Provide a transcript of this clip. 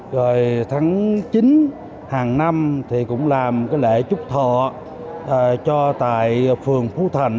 rồi tháng chín hàng năm thì cũng làm cái lễ chúc thọ cho tại phường phú thành